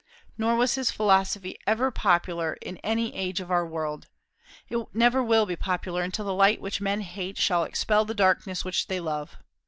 Nor was his philosophy ever popular in any age of our world. It never will be popular until the light which men hate shall expel the darkness which they love.